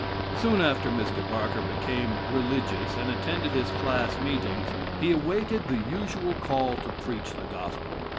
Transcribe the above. _'" Soon after Mr. Barker became "religious" and attended his class meetings, he awaited the usual "call" to preach the gospel.